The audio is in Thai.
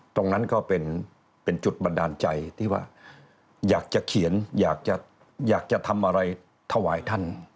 ตรงนั้นก็เป็นจุดบันดาลใจที่ว่าอยากจะเขียนอยากจะทำอะไรถวายท่าน